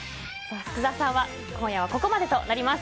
福澤さんは今夜はここまでとなります。